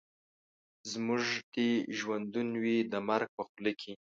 زموږ دي ژوندون وي د مرګ په خوله کي